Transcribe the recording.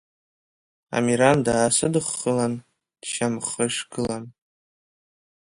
Амиран даасыдххылан, дшьамхышгыланы…